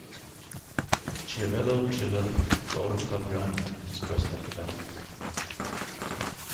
Chiavello Chiavelli, lord of Fabriano, was present at the battle.